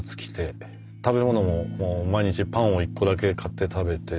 食べ物も毎日パンを１個だけ買って食べてて。